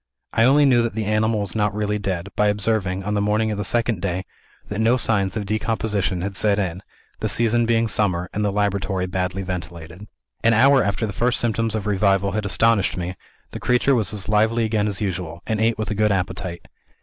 I only knew that the animal was not really dead, by observing, on the morning of the second day, that no signs of decomposition had set in the season being summer, and the laboratory badly ventilated. "An hour after the first symptoms of revival had astonished me, the creature was as lively again as usual, and ate with a good appetite.